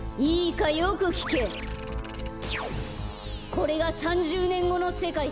これが３０ねんごのせかいだ。